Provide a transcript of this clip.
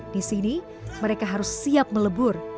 di sini mereka harus siap melebur